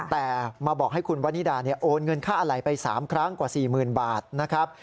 แต่มาบอกให้คุณวันนิดาโอนเงินค่าอะไรไป๓ครั้งกว่า๔๐๐๐บาทนะครับ